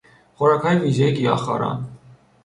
خوراکهای ویژهی گیاهخواران